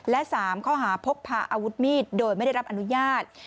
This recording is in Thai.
และ๓ข้อหาพกพาอาวุธมีดโดยไม่ได้รับอนุญาต